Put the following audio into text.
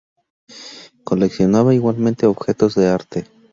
Coleccionaba igualmente objetos de arte.